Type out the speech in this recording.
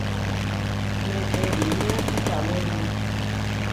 Meʼerinia kikawéruma.